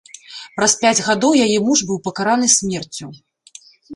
Праз пяць гадоў яе муж быў пакараны смерцю.